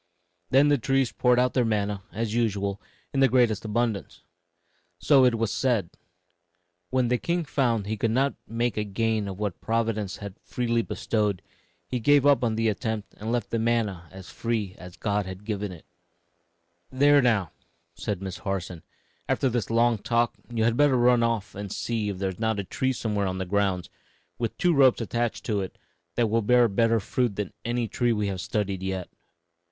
Then the trees poured out their manna, as usual, in the greatest abundance; so that it was said, 'When the king found he could not make a gain of what Providence had freely bestowed, he gave up the attempt and left the manna as free as God had given it.' [Illustration: THE SWING.] "There, now!" said Miss Harson; "after this long talk, you had better run off and see if there is not a tree somewhere on the grounds, with two ropes attached to it, that will bear better fruit than any tree we have studied yet."